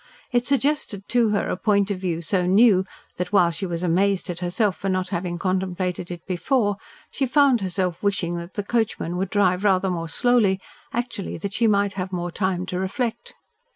It suggested to her a point of view so new that, while she was amazed at herself for not having contemplated it before, she found herself wishing that the coachman would drive rather more slowly, actually that she might have more time to reflect.